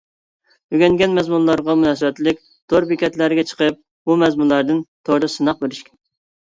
ئۆگەنگەن مەزمۇنلارغا مۇناسىۋەتلىك تور بېكەتلەرگە چىقىپ بۇ مەزمۇنلاردىن توردا سىناق بېرىش.